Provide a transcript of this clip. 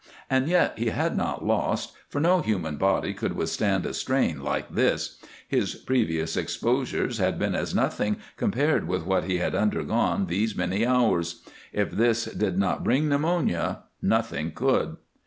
And yet he had not lost, for no human body could withstand a strain like this; his previous exposures had been as nothing compared with what he had undergone these many hours. If this did not bring pneumonia nothing could.